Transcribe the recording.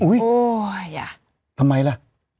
อุ้ยทำไมล่ะ